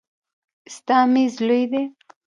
ستا میز لوی دی.